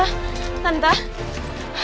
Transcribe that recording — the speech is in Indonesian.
ya ampun tante